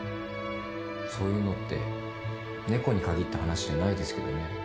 「そういうのって猫に限った話じゃないですけどね」